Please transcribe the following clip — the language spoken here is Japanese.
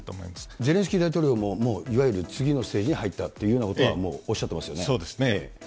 ゼレンスキー大統領ももういわゆる次のステージに入ったというようなことは、もうおっしゃっそうですね。